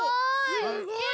すごい！